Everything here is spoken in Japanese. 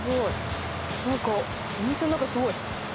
なんかお店の中すごい。